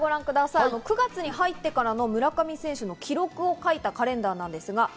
９月に入ってからの村上選手の記録を書いたカレンダーです。